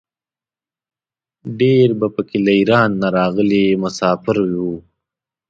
ډېر په کې له ایران نه راغلي مساپر وو.